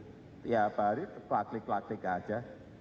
tiap hari klatik klatik saja